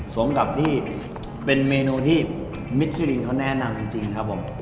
สมกับที่เป็นเมนูที่มิชลินเขาแนะนำจริงครับผม